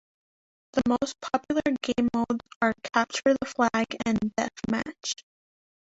The most popular game modes are Capture the Flag and DeathMatch.